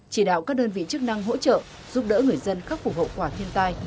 chỉ đạo các đơn vị chức năng hỗ trợ giúp đỡ người dân khắc phục hậu quả thiên tai